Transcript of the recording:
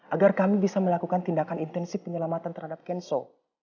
agar kami bisa melakukan tindakan intensif penyelamatan terhadap cancel